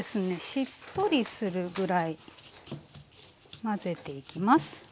しっとりするぐらい混ぜていきます。